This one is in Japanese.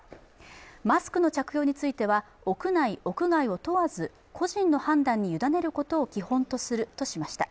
マスクの着用については、屋内・屋外を問わず個人の判断に委ねることを基本とするとしました。